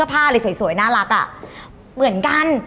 แค่แบบไม่ซื้อเสื้อผ้าเลยสวยนะรัก